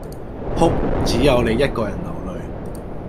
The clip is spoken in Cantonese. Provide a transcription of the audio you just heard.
哭，只有你一個人流淚